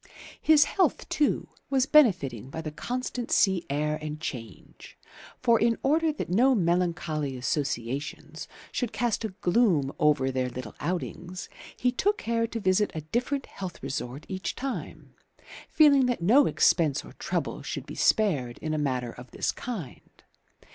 His health too was benefiting by the constant sea air and change; for, in order that no melancholy associations should cast a gloom over their little outings, he took care to visit a different health resort each time, feeling that no expense or trouble should be spared in a matter of this kind.